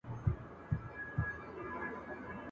نن به یم سبا بېلتون دی نازوه مي ..